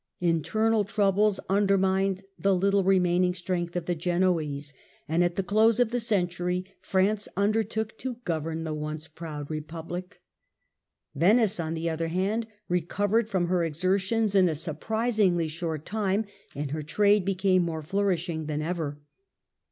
Internal troubles un dermined the little remaining strength of the Genoese and at the close of the century France undertook to gov ern the once proud Eepublic. Venice, on the other hand, recovered from her exertions in a surprisingly short time, and her trade became more flourishing than ever.